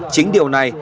chính điều này